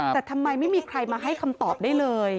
แต่ทำไมไม่มีใครมาให้คำตอบได้เลย